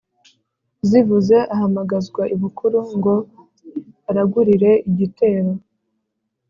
zivuze ahamagazwa ibukuru ngo aragurire igitero